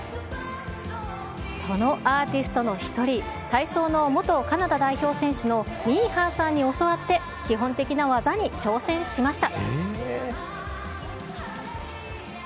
そのアーティストの１人、体操の元カナダ代表選手のミーハンさんに教わって、基本的な技に挑戦しました。